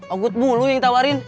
ogut mulu yang ditawarin